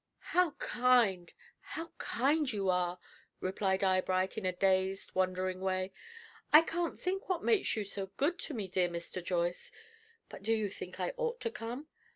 "How kind how kind you are!" replied Eyebright, in a dazed, wondering way. "I can't think what makes you so good to me, dear Mr. Joyce. But do you think I ought to come?